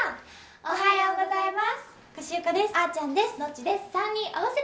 おはようございます。